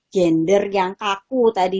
gender yang kaku tadi